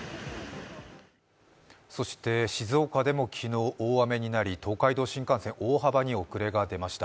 そして静岡でも昨日、大雨になり東海道新幹線大幅に遅れが出ました。